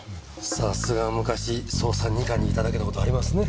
さすが昔捜査二課にいただけの事はありますね。